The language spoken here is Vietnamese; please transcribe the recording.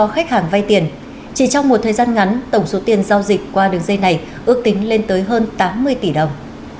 khẳng vai tiền chỉ trong một thời gian ngắn tổng số tiền giao dịch qua đường dây này ước tính lên tới hơn tám mươi tỷ đồng